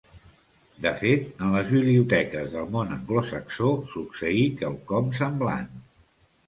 De fet, en les biblioteques del món anglosaxó succeí quelcom semblant.